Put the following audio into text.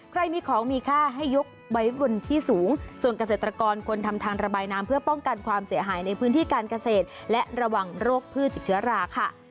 ใครมีของมีค่าให้ยกไว้บนที่สูงส่วนเกษตรกรควรทำทางระบายน้ำเพื่อป้องกันความเสียหายในพื้นที่การเกษตรและระวังโรคพืชจากเชื้อราค่ะ